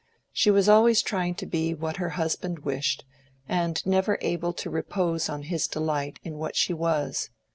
She was always trying to be what her husband wished, and never able to repose on his delight in what she was.